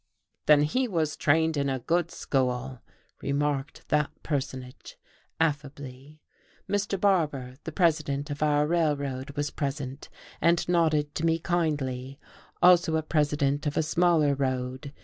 "Then he was trained in a good school," remarked that personage, affably. Mr. Barbour, the president of our Railroad, was present, and nodded to me kindly; also a president of a smaller road.